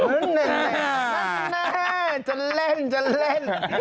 อื้อนั่นแน่จะเล่น